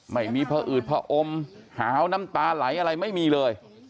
ไม่มีพออืดพออมหาวน้ำตาไหลอะไรไม่มีเลย